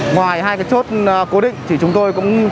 ngoài hai cái chốt cố định thì chúng tôi cũng